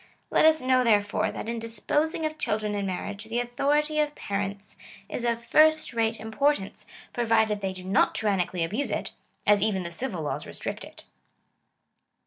Let us know, therefore, that in disposing of children in marriage, the authority of parents is of first rate importance, provided they do not tyrannically abuse it, as even the civil laws restrict it.